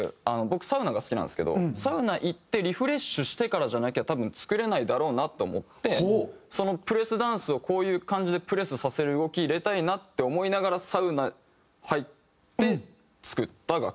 僕サウナが好きなんですけどサウナ行ってリフレッシュしてからじゃなきゃ多分作れないだろうなって思ってそのプレスダンスをこういう感じでプレスさせる動き入れたいなって思いながらサウナ入って作った楽曲って感じ。